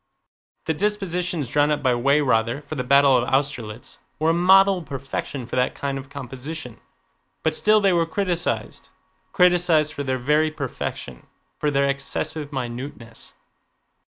The dispositions drawn up by Weyrother for the battle of Austerlitz were a model of perfection for that kind of composition, but still they were criticized—criticized for their very perfection, for their excessive minuteness.